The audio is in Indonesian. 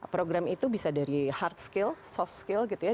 program itu bisa dari hard skill soft skill gitu ya